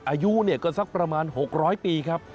อายุก็สักประมาณ๖๐๐ปีครับ